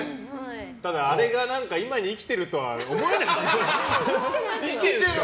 ただあれが今に生きてるとは思えないですね。